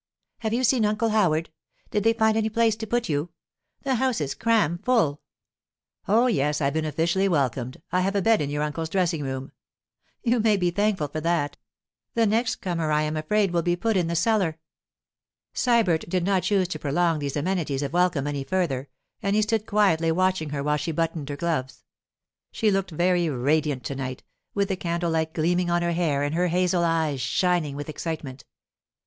'Have you seen Uncle Howard? Did they find any place to put you? The house is cram full.' 'Oh, yes, I've been officially welcomed. I have a bed in your uncle's dressing room.' 'You may be thankful for that. The next comer, I am afraid, will be put in the cellar.' Sybert did not choose to prolong these amenities of welcome any further, and he stood quietly watching her while she buttoned her gloves. She looked very radiant to night, with the candle light gleaming on her hair and her hazel eyes shining with excitement.